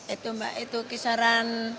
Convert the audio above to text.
itu mbak itu kisaran